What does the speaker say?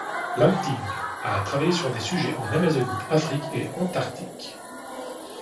Lanting a travaillé sur des sujets en Amazonie, Afrique et Antarctique.